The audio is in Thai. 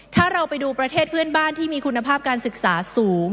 ถ้าเราไปดูประเทศเพื่อนบ้านที่มีคุณภาพการศึกษาสูง